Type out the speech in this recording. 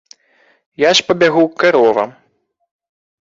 Я ж пабягу к каровам.